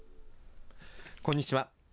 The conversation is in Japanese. こんにちは。